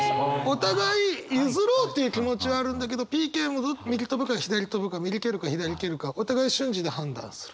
お互い譲ろうっていう気持ちはあるんだけどＰＫ右飛ぶか左飛ぶか右蹴るか左蹴るかお互い瞬時で判断する。